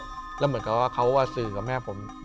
แล้วเหมือนกับว่าเขาสื่อกับแม่ผม